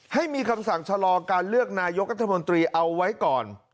ให้มีคำสั่งชะลอการเลือกนายกรัฐมนตรีเอาไว้ก่อน